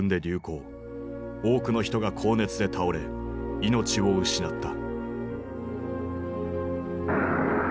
多くの人が高熱で倒れ命を失った。